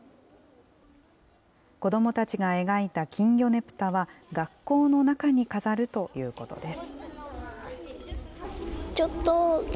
子どもたちが描いた金魚ねぷたは学校の中に飾るということです。